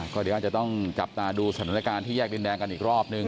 ก็เดี๋ยวอาจจะต้องจับตาดูสถานการณ์ที่แยกดินแดงกันอีกรอบนึง